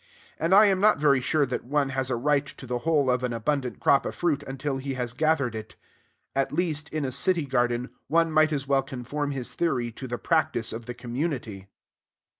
And I am not very sure that one has a right to the whole of an abundant crop of fruit until he has gathered it. At least, in a city garden, one might as well conform his theory to the practice of the community.